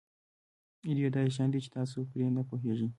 ډېر داسې شیان دي چې تاسو پرې نه پوهېږئ.